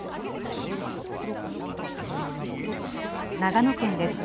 長野県です。